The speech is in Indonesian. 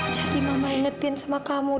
jadi mama ingetin sama kamu duh